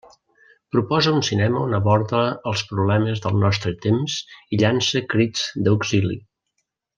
Proposa un cinema on aborda els problemes del nostre temps i llança crits d'auxili.